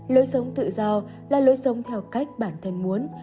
lối sống tự do là lối sống theo cách bản thân muốn